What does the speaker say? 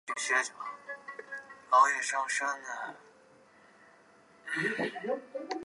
白衣古镇古建筑群位于平昌县白衣古镇。